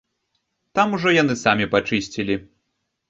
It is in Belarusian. Там ужо яны самі пачысцілі.